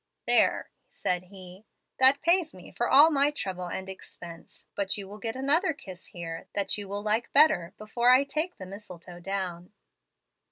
"There," said he, "that pays me for all my trouble and expense. But you will get another kiss here, that you will like better, before I take the mistletoe down."